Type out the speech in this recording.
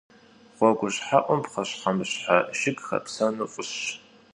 Гъуэгущхьэӏум пхъэщхьэмыщхьэ жыг хэпсэну фӏыщ.